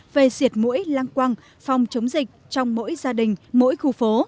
về diệt mũi lăng quăng phòng chống dịch trong mỗi gia đình mỗi khu phố